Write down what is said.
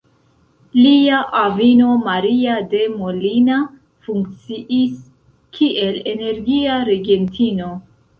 Lia avino Maria de Molina funkciis kiel energia regentino.